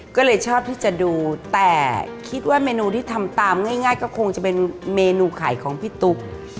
ก็เลยชอบที่จะดูแต่คิดว่าเมนูที่ทำตามง่ายก็คงจะเป็นเมนูไข่ของพี่ตุ๊ก